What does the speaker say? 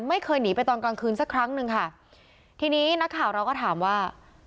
ไม่เคยหนีไปตอนกลางคืนสักครั้งหนึ่งค่ะทีนี้นักข่าวเราก็ถามว่า